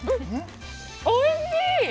おいしい！